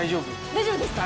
大丈夫ですか？